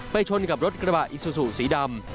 ชนกับรถกระบะอิซูซูสีดำ